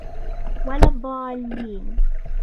وَلَا الضَّالِّينَ